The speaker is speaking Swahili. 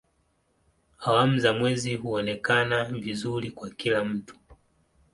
Awamu za mwezi huonekana vizuri kwa kila mtu.